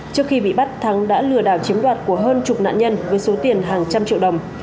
trước khi bị bắt thắng đã lừa đảo chiếm đoạt của hơn chục nạn nhân với số tiền hàng trăm triệu đồng